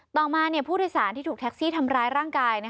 ต่อมาผู้โดยสารที่ถูกแท็กซี่ทำร้ายร่างกาย